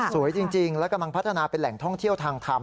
สวยจริงและกำลังพัฒนาเป็นแหล่งท่องเที่ยวทางธรรม